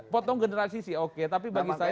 potong generasi sih oke tapi bagi saya